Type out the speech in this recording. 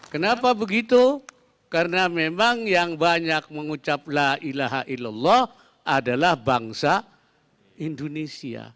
kenapa begitu karena memang yang banyak mengucap la ilaha illallah adalah bangsa indonesia